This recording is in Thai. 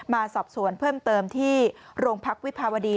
มาสอบสวนเพิ่มเติมที่โรงพักวิภาวดี